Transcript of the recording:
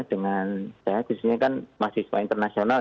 dengan bisnisnya kan mahasiswa internasional